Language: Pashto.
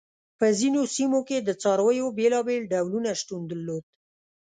په ځینو سیمو کې د څارویو بېلابېل ډولونه شتون درلود.